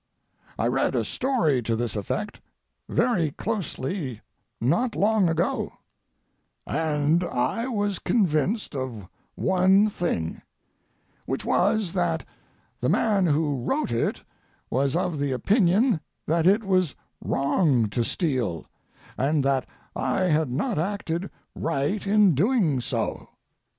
I read a story to this effect very closely not long ago, and I was convinced of one thing, which was that the man who wrote it was of the opinion that it was wrong to steal, and that I had not acted right in doing so.